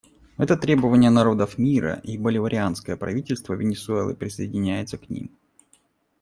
Это требования народов мира, и Боливарианское правительство Венесуэлы присоединяется к ним.